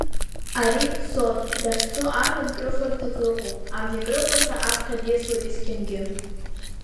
Ари дцот, дахьцо амҩан крыфарҭак ыҟоуп, амни акрыфарҭа аԥхьа диасуеит есқьынгьы.